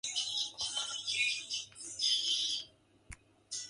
Only the depositor could redeem an early gold certificate.